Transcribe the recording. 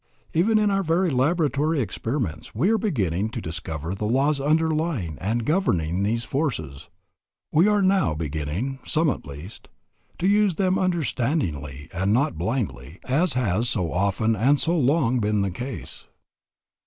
Even in our very laboratory experiments we are beginning to discover the laws underlying and governing these forces. We, are now beginning, some at least, to use them understandingly and not blindly, as has so often and so long been the case.